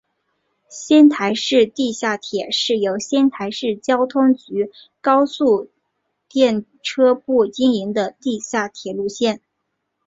仙台市地下铁是由仙台市交通局高速电车部经营的地下铁路线。